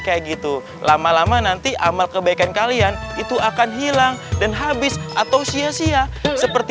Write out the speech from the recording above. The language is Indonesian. kayak gitu lama lama nanti amal kebaikan kalian itu akan hilang dan habis atau sia sia seperti